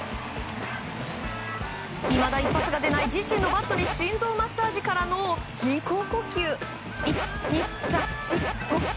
いまだ一発が出ない自身のバットに心臓マッサージからの人工呼吸。